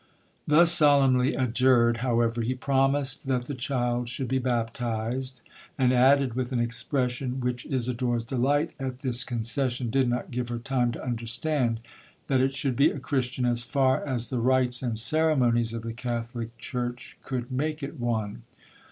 Thus solemnly adjured, however, he promised that the child should be baptised; and added, with an expression which Isidora's delight at this concession did not give her time to understand, that it should be a Christian as far as the rites and ceremonies of the Catholic church could make it one.